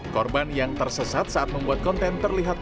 korban yang tersesat saat membuat konten terlihat